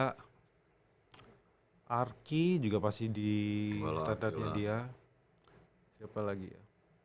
yuda arki juga pasti di standarnya dia siapa lagi ya